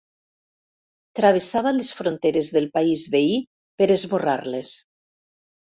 Travessava les fronteres del país veí per esborrar-les.